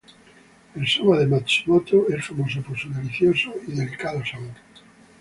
El soba de Matsumoto es famoso por su delicioso y delicado sabor.